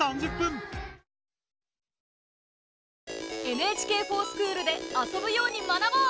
「ＮＨＫｆｏｒＳｃｈｏｏｌ」で遊ぶように学ぼう！